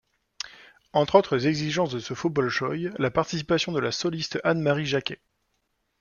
Entre autres exigences de ce faux Bolchoï, la participation de la soliste Anne-Marie Jacquet.